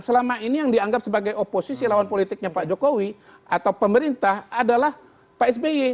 selama ini yang dianggap sebagai oposisi lawan politiknya pak jokowi atau pemerintah adalah pak sby